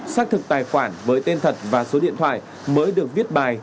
xác thực tài khoản với tên thật và số điện thoại mới được viết bài